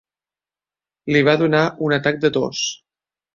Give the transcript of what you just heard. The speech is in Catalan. Li va donar un atac de tos.